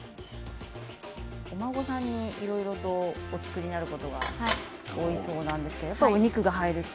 お孫さんに、いろいろとお作りになることが多いそうなんですけれどもやっぱりお肉が入ると。